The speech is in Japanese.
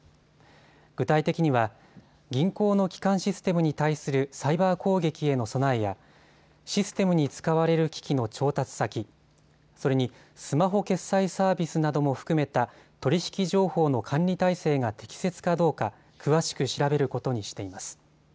具体的には銀行の基幹システムに対するサイバー攻撃への備えやシステムに使われる機器の調達先、それにスマホ決済サービスなども含めた取り引き情報の管理態勢が適切かどうか詳しく調べることにしています。